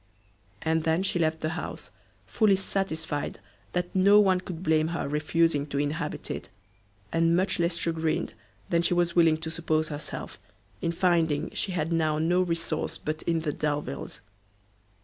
And then she left the house; fully satisfied that no one could blame her refusing to inhabit it, and much less chagrined than she was willing to suppose herself, in finding she had now no resource but in the Delviles.